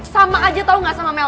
sama aja tau gak sama mell